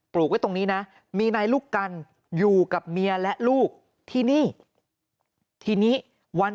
ลูกไว้ตรงนี้นะมีนายลูกกันอยู่กับเมียและลูกที่นี่ทีนี้วัน